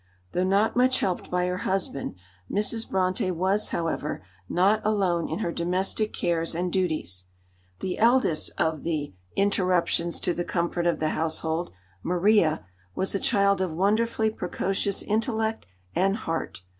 Though not much helped by her husband, Mrs. Brontë was, however, not alone in her domestic cares and duties; the eldest of the "interruptions to the comfort of the household," Maria, was a child of wonderfully precocious intellect and heart.